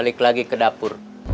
langsung ke stresu